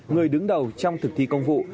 người đứng đầu trong thực thi công vụ